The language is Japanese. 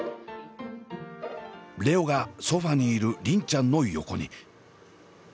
蓮音がソファーにいる梨鈴ちゃんの横に。